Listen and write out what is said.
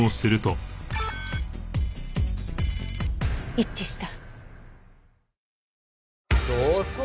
一致した。